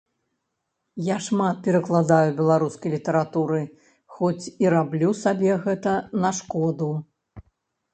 Я шмат перакладаю беларускай літаратуры, хоць і раблю сабе гэта на шкоду.